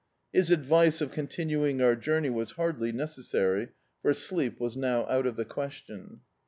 His advice of continuing our journey was hardly necessary, for sleep was now out of the question.